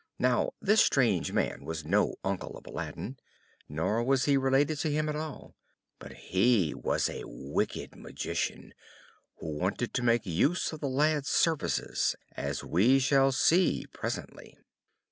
Now, this strange man was no uncle of Aladdin, nor was he related at all to him; but he was a wicked magician, who wanted to make use of the lad's services, as we shall see presently.